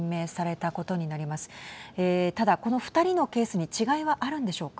ただ、この２人のケースに違いはあるんでしょうか。